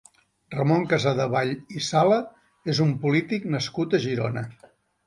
Ramon Casadevall i Sala és un polític nascut a Girona.